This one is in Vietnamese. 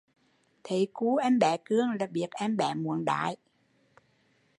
Thấy cu em bé cương là biết em bé muốn đái